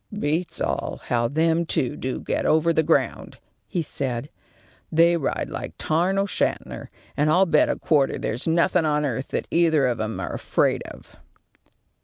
"Beats all how them two do get over the ground," he said. "They ride like Tarn O'Shanter, and I'll bet a quarter there's nothing on earth that either of 'em are afraid of."